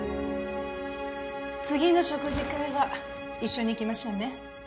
次の食事会は一緒に行きましょうね